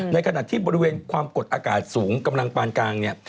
ในขณะที่บริเวณความกดอากาศสูงกำลังปานกลางเนี่ย